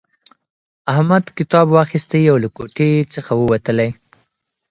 احمد کتاب واخیستی او له کوټې څخه ووتلی.